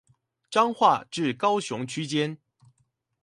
彰化至高雄區間